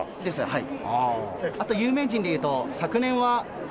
はい。